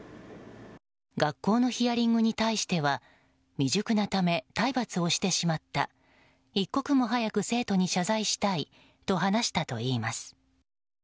学校のヒアリングに対しては未熟なため体罰をしてしまった、一刻も早く生徒に謝罪したいと話したといいます。